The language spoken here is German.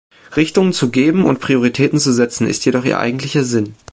Richtung zu geben und Prioritäten zu setzen, ist jedoch ihr eigentlicher Sinn.